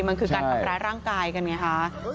มันคือการทำร้ายร่างกายกันไงคะ